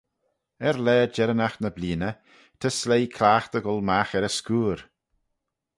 Er laa jerrinagh ny bleeaney, ta sleih cliaghtey goll magh er y scooyr.